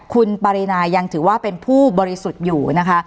คุณปรินายังถือว่าเป็นผู้บริสุทธิ์อยู่นะคะ